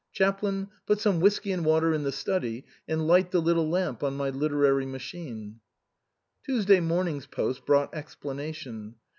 Chaplin, put some whiskey and water in the study, and light the little lamp on my literary machine." Tuesday morning's post brought explanation.